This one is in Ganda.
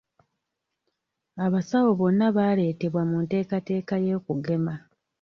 Abasawo bonna baaleetebwa mu nteekateeka y'okugema.